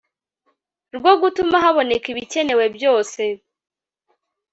rwo gutuma haboneka ibikenewe byose